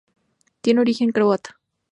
Tiene origen croata.